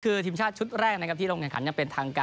คือทีมชาติชุดแรกนะครับที่ลงแข่งขันอย่างเป็นทางการ